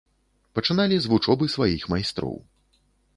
Пачыналі з вучобы сваіх майстроў.